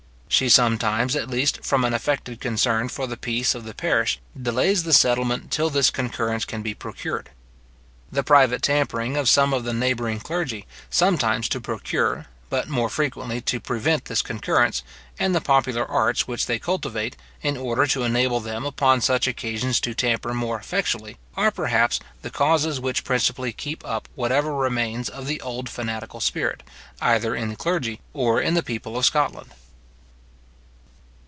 She sometimes, at least, from an affected concern for the peace of the parish, delays the settlement till this concurrence can be procured. The private tampering of some of the neighbouring clergy, sometimes to procure, but more frequently to prevent this concurrence, and the popular arts which they cultivate, in order to enable them upon such occasions to tamper more effectually, are perhaps the causes which principally keep up whatever remains of the old fanatical spirit, either in the clergy or in the people of Scotland.